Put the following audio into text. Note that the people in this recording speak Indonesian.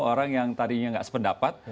orang yang tadinya nggak sependapat